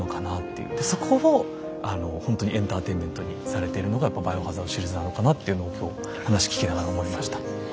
でそこをほんとにエンターテインメントにされてるのが「バイオハザード」シリーズなのかなっていうのを今日話聞きながら思いました。